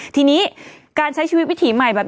ทีนี้การใช้ชีวิตวิถีใหม่แบบ